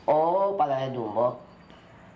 oh pak lelah dumbok